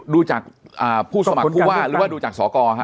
ดูจากผู้สมัครผู้ว่าหรือว่าดูจากสกฮะ